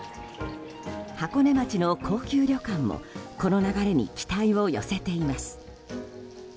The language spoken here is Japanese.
箱根町の高級旅館もこの流れに期待を寄せています。